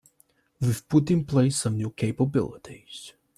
We’ve put in place some new capabilities.